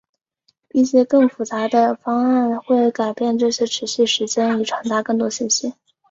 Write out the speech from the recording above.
一些更复杂的方案会改变这些持续时间以传达更多信息。